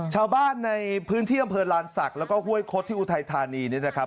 ชาวบ้านในพื้นที่อำเผยร้านศักดิ์แล้วก็ห้วยคดที่อุทชาณีมารินนี้นะครับ